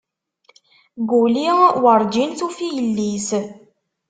Guli werǧin tufi yelli-s.